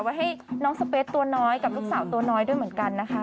ไว้ให้น้องสเปสตัวน้อยกับลูกสาวตัวน้อยด้วยเหมือนกันนะคะ